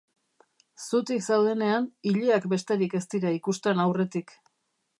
Zutik zaudenean, ileak besterik ez dira ikusten aurretik.